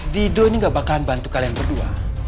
dido ini gak bakalan bantu kalian berdua